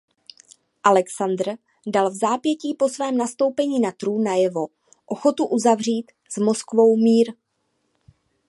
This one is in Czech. Alexandr dal vzápětí po svém nastoupení na trůn najevo ochotu uzavřít s Moskvou mír.